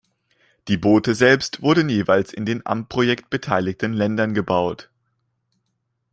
Die Boote selbst wurden jeweils in den am Projekt beteiligten Ländern gebaut.